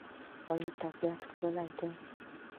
آیا طبیعت ښکلی دی؟